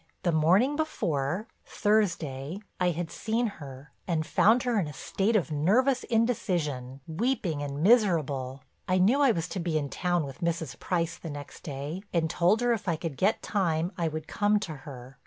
"The morning before—Thursday—I had seen her and found her in a state of nervous indecision, weeping and miserable. I knew I was to be in town with Mrs. Price the next day and told her if I could get time I would come to her.